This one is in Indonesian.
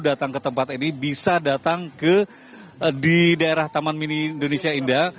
datang ke tempat ini bisa datang di daerah taman mini indonesia indah